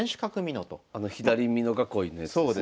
あの左美濃囲いのやつですね。